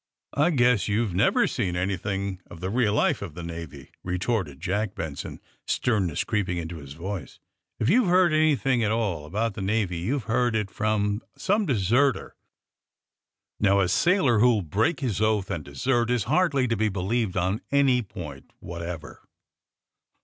''1 guess you've never seen anything of the real life of the Navy," retorted Jack Benson, sternness creeping into his voice. ^^If you've heard anything at all about the Navy you've heard it from some deserter. Now, a sailor who'll break his oath and desert is hardly to be believed on any point whatever."